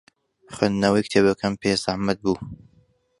خوێندنەوەی کتێبەکەم پێ زەحمەت بوو.